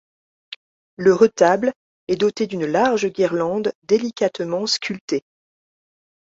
Le retable est doté d'une large guirlande délicatement sculptée.